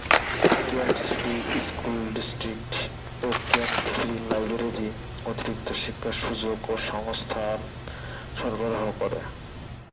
Kent city school district ও Kent free library অতিরিক্ত শিক্ষার সুযোগ ও সংস্থান সরবরাহ করে।